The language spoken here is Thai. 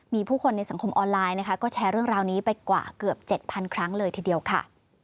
มีผู้คนในสังคมออนไลน์นะคะก็แชร์เรื่องราวนี้ไปกว่าเกือบ๗๐๐ครั้งเลยทีเดียวค่ะ